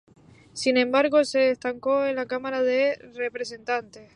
Sin embargo, se estancó en la Cámara de Representantes.